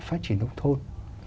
phát triển nông thôn